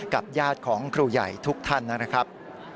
ญาติของครูใหญ่ทุกท่านนะครับ